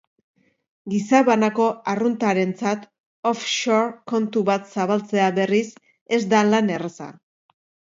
Gizabanako arruntarentzat off-shore kontu bat zabaltzea, berriz, ez da lan erraza.